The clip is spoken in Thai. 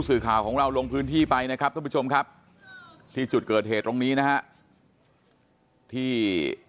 สื่อข่าวของเราลงพื้นที่ไปนะครับท่านผู้ชมครับที่จุดเกิดเหตุตรงนี้นะฮะที่